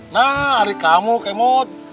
nah adik kamu kemud